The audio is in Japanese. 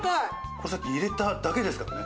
これさっき入れただけですからね。